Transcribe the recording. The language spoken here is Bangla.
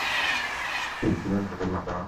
সিড, তুমি অন্য কোথাও ঘুমাতে পারো না?